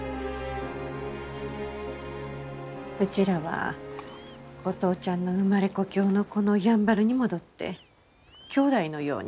うちらはお父ちゃんの生まれ故郷のこのやんばるに戻ってきょうだいのように暮らし始めた。